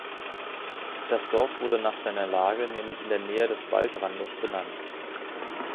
Das Dorf wurde nach seiner Lage, nämlich in der Nähe des Waldrandes, benannt.